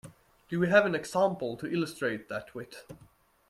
Do we have an example to illustrate that with?